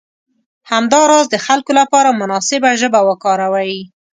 همداراز د خلکو لپاره مناسبه ژبه وکاروئ.